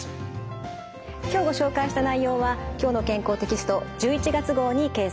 今日ご紹介した内容は「きょうの健康」テキスト１１月号に掲載されています。